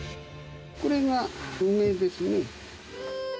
これが梅ですね。